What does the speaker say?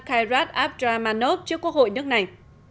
kairat abdramanov trước quốc hội nước này